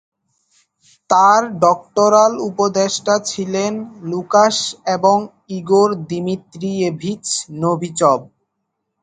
তার ডক্টরাল উপদেষ্টা ছিলেন লুকাশ এবং ইগোর দিমিত্রিয়েভিচ নোভিচভ।